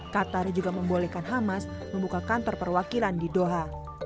qatar juga membolehkan hamas membuka kantor perwakilan di doha